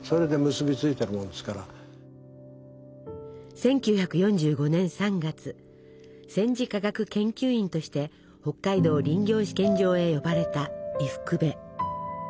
１９４５年３月戦時科学研究員として北海道林業試験場へ呼ばれた伊福部。